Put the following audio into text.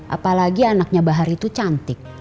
apalagi anaknya bahar itu cantik